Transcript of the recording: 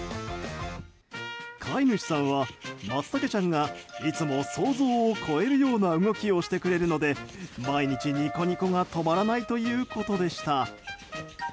飼い主さんは、まつたけちゃんがいつも想像を超えるような動きをしてくれるので毎日、ニコニコが止まらないということでした。